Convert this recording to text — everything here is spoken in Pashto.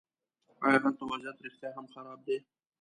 ایا هلته وضعیت رښتیا هم خراب دی.